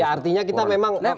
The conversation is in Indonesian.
artinya kita memang